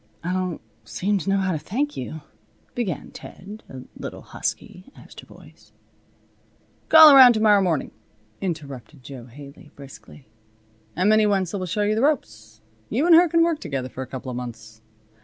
"I don't seem to know how to thank you," began Ted, a little husky as to voice. "Call around to morrow morning," interrupted Jo Haley, briskly, "and Minnie Wenzel will show you the ropes. You and her can work together for a couple of months.